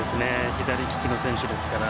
左利きの選手ですから